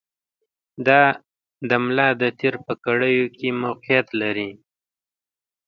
دا د ملا د تېر په کړیو کې موقعیت لري.